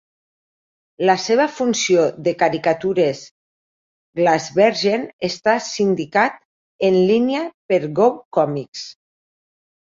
La seva funció de "caricatures Glasbergen" està sindicat en línia per GoComics.